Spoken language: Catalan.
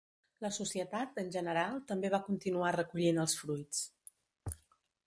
La societat, en general, també va continuar recollint els fruits.